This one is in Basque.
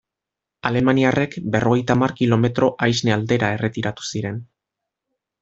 Alemaniarrek berrogeita hamar kilometro Aisne aldera erretiratu ziren.